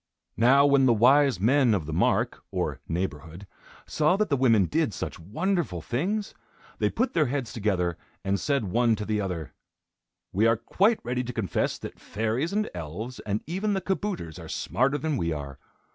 Now when the wise men of the mark, or neighborhood, saw that the women did such wonderful things, they put their heads together and said one to the other: "We are quite ready to confess that fairies, and elves, and even the kabouters are smarter than we are.